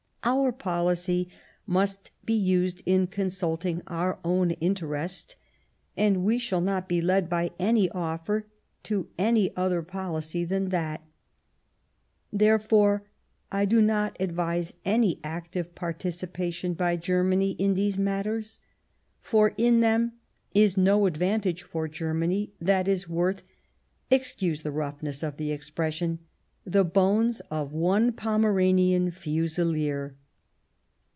... Our policy must be used in consulting our own in terest, and we shall not be led, by any offer, to any other pohcy than that. ... Therefore, I do not advise any active participation by Germany in these matters ; for in them is no advantage for Germany that is worth — excuse the roughness of the ex pression — the bones of one Pomeranian Fusilier."